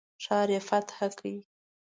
ښار یې فتح کړ.